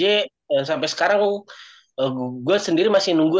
sendiri masih nunggu sampai sekarang gue sendiri masih nunggu sampai sekarang gue sendiri masih nunggu